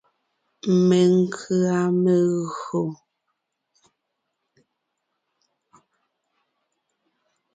Menkʉ̀a megÿò.